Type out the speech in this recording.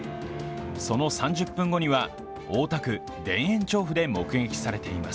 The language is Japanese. その３０分後には、大田区田園調布で目撃されています。